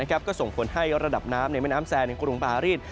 ก็ส่งผลให้ระดับน้ำในแม่น้ำแซงในกรุงปารีส